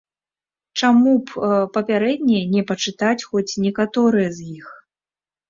Чаму б папярэдне не пачытаць хоць некаторыя з іх?